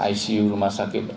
icu rumah sakit